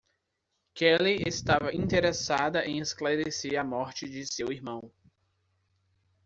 Kelly estava interessada em esclarecer a morte de seu irmão.